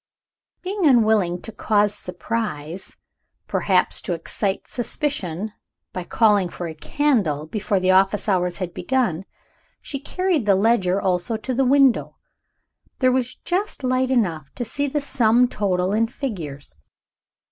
Being unwilling to cause surprise, perhaps to excite suspicion, by calling for a candle before the office hours had begun, she carried the ledger also to the window. There was just light enough to see the sum total in figures.